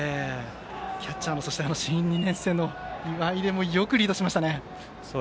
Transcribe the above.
キャッチャーの新２年生の岩出もよくリードしましたね。